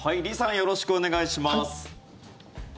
よろしくお願いします。